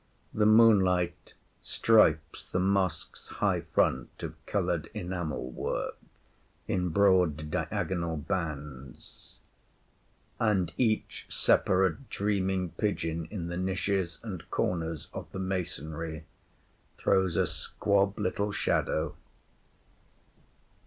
The moonlight stripes the Mosque’s high front of coloured enamel work in broad diagonal bands; and each separate dreaming pigeon in the niches and corners of the masonry throws a squab little shadow.